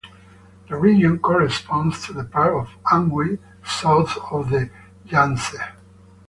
The region corresponds to the part of Anhui south of the Yangtze.